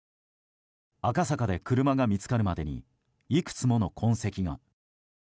赤坂で車が見つかるまでにいくつもの痕跡が。